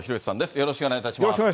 よろしくお願いします。